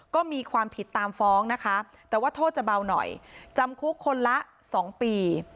ก็มีความผิดตามฟ้องนะคะแต่ว่าโทษจะเบาหน่อยจำคุกคนละ๒ปี